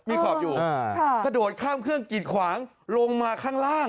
มันต้องกดดข้ามเครื่องกิดหวางลงมาข้างล่าง